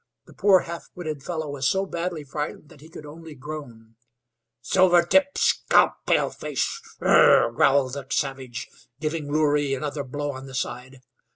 The poor half witted fellow was so badly frightened that he could only groan. "Silvertip scalp paleface. Ugh!" growled the savage, giving Loorey another blow on the side.